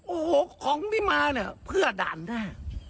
โอ้โหของที่มาเนี่ยเพื่อด่านหน้า